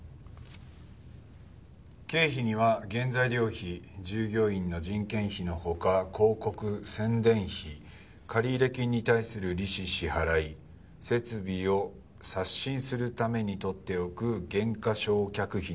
「経費には原材料費従業員の人件費の他広告・宣伝費借入金に対する利子支払い設備を刷新するために取っておく減価償却費なども含まれる」